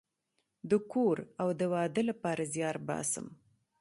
د کور او د واده لپاره زیار باسم